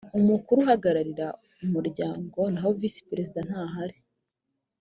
umukuru uhagararira umuryango naho visi perezida ntahari